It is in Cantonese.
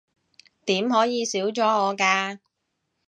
點可以少咗我㗎